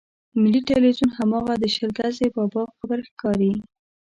ملي ټلویزیون هماغه د شل ګزي بابا قبر ښکارېږي.